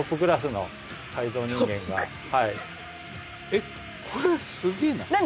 えっこれすげえな何？